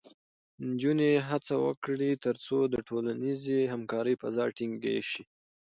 نجونې هڅه وکړي، ترڅو د ټولنیزې همکارۍ فضا ټینګې شي.